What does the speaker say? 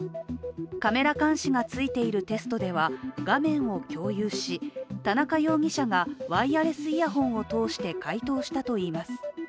カメラ監視がついているテストでは画面を共有し、田中容疑者がワイヤレスイヤホンを通して回答したといいます。